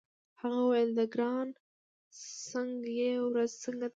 هغې وویل: ګرانه څنګه يې، ورځ څنګه ده؟